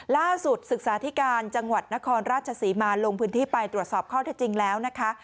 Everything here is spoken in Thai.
ล่าสุดศึกษาธิการจังหวัดนครราชศรีมาลงพื้นที่ไปตรวจสอบข้อเท็จจริงแล้วนะคะ